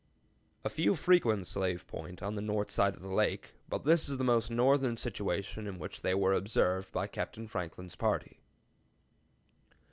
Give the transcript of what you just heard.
"A few frequent Slave Point, on the north side of the lake, but this is the most northern situation in which they were observed by Captain Franklin's party."